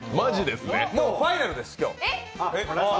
もうファイナルです！